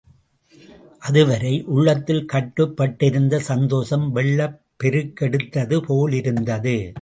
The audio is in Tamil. அதுவரை உள்ளத்தில் கட்டுப்பட்டிருந்த சந்தோஷம் வெள்ளப் பெருக்கெடுத்தது போலிருந்தது.